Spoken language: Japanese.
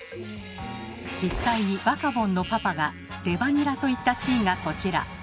実際にバカボンのパパが「レバニラ」と言ったシーンがこちら。